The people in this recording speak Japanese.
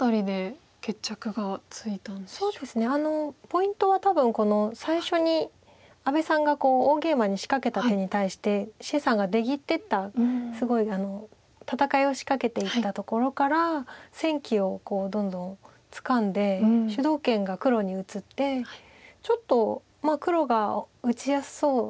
ポイントは多分この最初に阿部さんが大ゲイマに仕掛けた手に対して謝さんが出切ってったすごい戦いを仕掛けていったところから戦機をどんどんつかんで主導権が黒に移ってちょっと黒が打ちやすそうだと思ったんですけど。